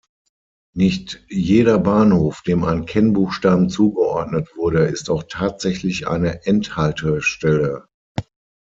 Nicht jeder Bahnhof, dem ein Kennbuchstaben zugeordnet wurde, ist auch tatsächlich eine Endhaltestelle.